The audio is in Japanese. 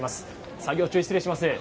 作業中、失礼します。